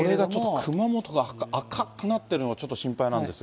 熊本が赤くなってるのが、ちょっと心配なんですが。